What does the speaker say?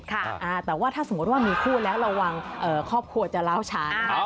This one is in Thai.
แต่ว่าถ้าสมมุติว่ามีคู่แล้วระวังครอบครัวจะเล่าช้า